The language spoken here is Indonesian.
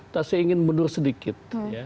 saya ingin mundur sedikit